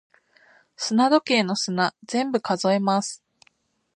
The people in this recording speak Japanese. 砂時計の砂、全部数えます。